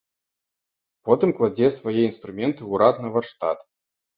Потым кладзе свае інструменты ў рад на варштат.